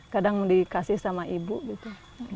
kadang dikasih sama ibu gitu